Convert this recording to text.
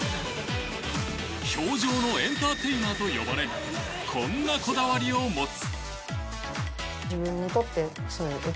氷上のエンターテイナーと呼ばれこんなこだわりを持つ。